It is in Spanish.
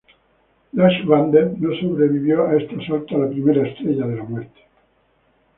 Dutch Vander no sobrevivió a este asalto a la primera Estrella de la muerte.